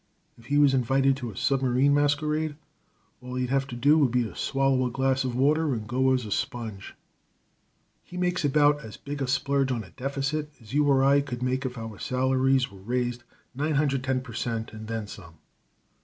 If he was invited to a submarine masquerade all he'd have to do would be to swallow a glass of water and go as a sponge. He makes about as big a splurge on a deficit as you or I could make if our salaries were raised nine hundred ten per cent., and then some.